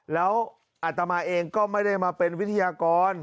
แล้วอัตมาเองก็ไม่ได้มาเป็นวิทยากร